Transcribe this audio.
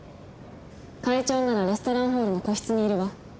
会長ならレストランホールの個室にいるわ。